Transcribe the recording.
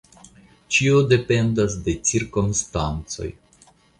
Ĉio dependas de cirkonstancoj.